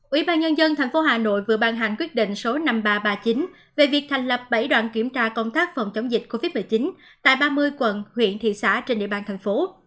ủy ban nhân dân tp hà nội vừa ban hành quyết định số năm nghìn ba trăm ba mươi chín về việc thành lập bảy đoàn kiểm tra công tác phòng chống dịch covid một mươi chín tại ba mươi quận huyện thị xã trên địa bàn thành phố